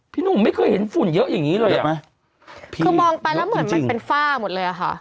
พี่หนุ่มไม่เคยเห็นฝุ่นเยอะอย่างงี้เลยอ่ะไหมคือมองไปแล้วเหมือนมันเป็นฝ้าหมดเลยอ่ะค่ะ